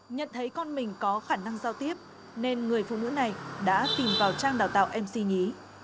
nhận thấy con mình có khả năng giao tiếp nên người phụ nữ này đã tìm vào trang đào tạo mc nhí